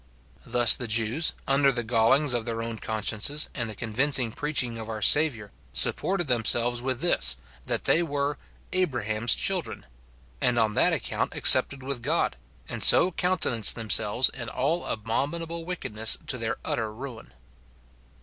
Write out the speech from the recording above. Thus the Jews, under the gallings of their own * Psa. kxvii. 6 9. 224 MORTIFICATION OP consciences and the convincing preaching of our Saviour, supported themselves vrith this, that they were "Abra ham's children," and on that account accepted with God; and so countenanced themselves in all abominahle wicked ness to their utter ruin.